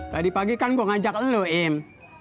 tadi pagi kan gue ngajak lu im